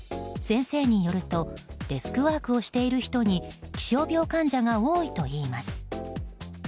先生によるとデスクワークをしている人に気象病患者が多いといいます。